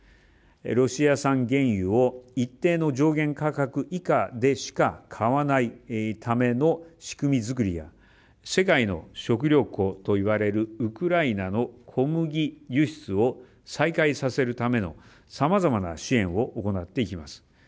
ロシア産原油を一定の上限価格以下でしか買わないための仕組み作りや世界の食糧庫と言われるウクライナの小麦輸出を再開させるためのさまざまな支援を行っていきます。